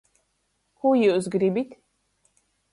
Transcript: Kū jius gribit?